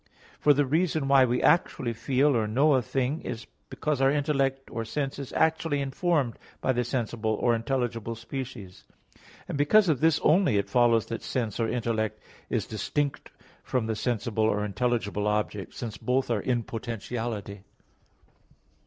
For the reason why we actually feel or know a thing is because our intellect or sense is actually informed by the sensible or intelligible species. And because of this only, it follows that sense or intellect is distinct from the sensible or intelligible object, since both are in potentiality.